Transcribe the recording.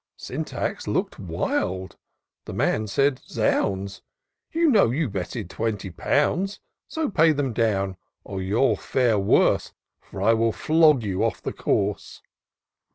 Syntax look'd wild — the man said " Zounds ! You know you betted twenty pounds; So pay them down, or you'll fare worse, For I will flog you off the course."